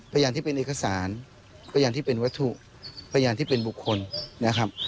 พยานที่เป็นเอกสารพยานที่เป็นวัตถุพยานที่เป็นบุคคลนะครับ